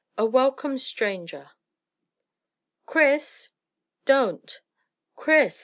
A WELCOME STRONGER. "Chris!" "Don't!" "Chris!"